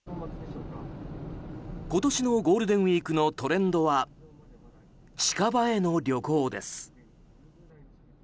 今年のゴールデンウィークのトレンドは近場への旅行です。